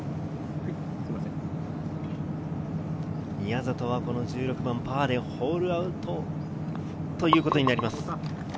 宮里は１６番、パーでホールアウトということになります。